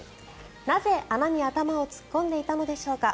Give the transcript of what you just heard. なぜ穴に頭を突っ込んでいたのでしょうか。